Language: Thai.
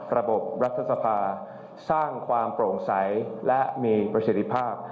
ระบบรัฐสภาสร้างความโปร่งใสและมีประสิทธิภาพ